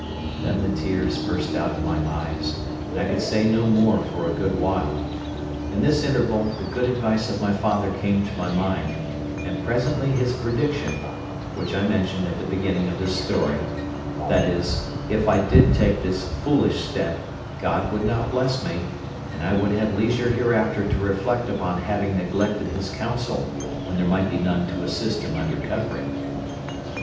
Then the tears burst out of my eyes, and I could say no more for a good while. In this interval the good advice of my father came to my mind, and presently his prediction, which I mentioned at the beginning of this story—viz. that if I did take this foolish step, God would not bless me, and I would have leisure hereafter to reflect upon having neglected his counsel when there might be none to assist in my recovery.